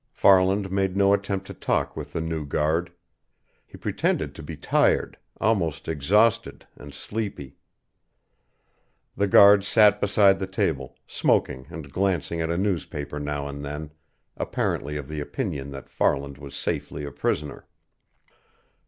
Farland made no attempt to talk with the new guard. He pretended to be tired, almost exhausted and sleepy. The guard sat beside the table, smoking and glancing at a newspaper now and then, apparently of the opinion that Farland was safely a prisoner.